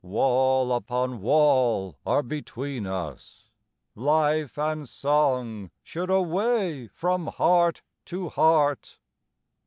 Wall upon wall are between us: life And song should away from heart to heart!